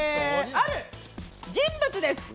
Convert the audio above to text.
ある人物です。